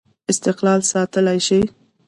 استقلال ساتلای شي.